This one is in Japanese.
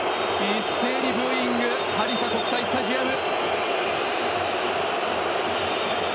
一斉にブーイングハリファ国際スタジアム。